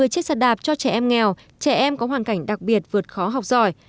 một mươi chiếc xe đạp cho trẻ em nghèo trẻ em có hoàn cảnh đặc biệt vượt khó học giỏi